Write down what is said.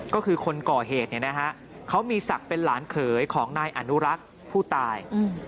ก็คือคนก่อเหตุเขามีศักดิ์เป็นหลานเขยของนายอนุรักษ์ผู้ตาย